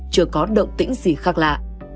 chưa có động tĩnh gì khác lạ